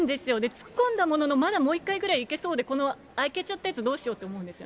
突っ込んだものの、まだもう１回ぐらいいけそうで、この開けちゃったやつ、どうしようと思うんですよね。